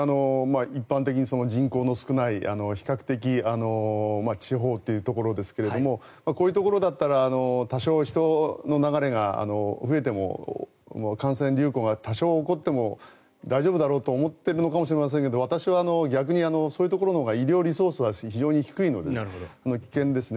一般的に人口の少ない比較的、地方というところですけれどもこういうところだったら多少、人の流れが増えても感染流行が多少起こっても大丈夫だろうと思っているかもしれませんが私は逆にそういうところのほうが医療リソースは非常に低いので危険ですね。